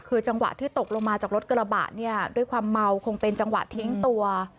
คือจังหวะที่ตกลงมาจากรถกระบะเนี่ยด้วยความเมาคงเป็นจังหวะทิ้งตัว